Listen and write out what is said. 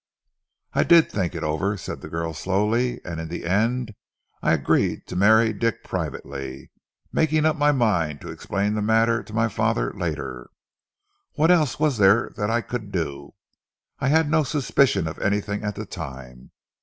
"I did think it over," said the girl slowly, "and in the end I agreed to marry Dick privately, making up my mind to explain the matter to my father, later. What else was there that I could do? I had no suspicion of anything at the time.